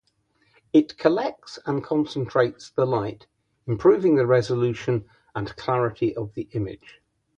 It collects and concentrates the light, improving the resolution and clarity of the image.